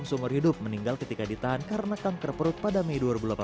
seumur hidup meninggal ketika ditahan karena kanker perut pada mei dua ribu delapan belas